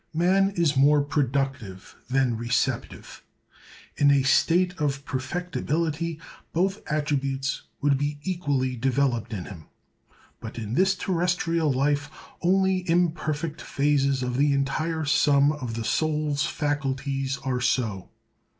Man is more productive than receptive. In a state of perfectibility, both attributes would be equally developed in him; but in this terrestrial life, only imperfect phases of the entire sum of the soul's faculties are so.